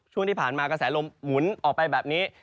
ช่วงที่ผ่านมากระแสลมหมุนออกไปแบบนี้